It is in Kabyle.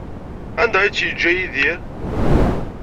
Anda ay tt-yeǧǧa Yidir?